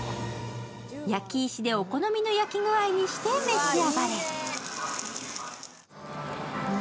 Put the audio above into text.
焼き石でお好みの焼き具合にして召し上がれ。